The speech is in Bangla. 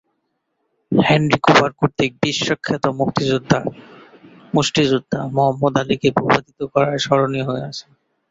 হেনরি কুপার কর্তৃক বিশ্বখ্যাত মুষ্টিযোদ্ধা মুহাম্মদ আলীকে ভূপাতিত করায় স্মরণীয় হয়ে আছেন।